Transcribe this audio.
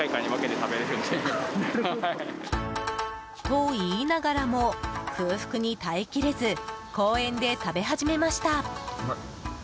と言いながらも空腹に耐えきれず公園で食べ始めました。